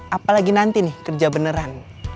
apalagi nanti nih kerja beneran